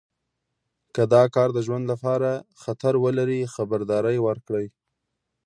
که دا کار د ژوند لپاره خطر ولري خبرداری ورکړئ.